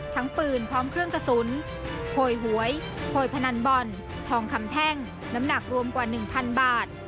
ทั้งปืนพร้อมเครื่องกระสุนโพยหวยโพยพนันบอลทองคำแท่งน้ำหนักรวมกว่า๑๐๐บาท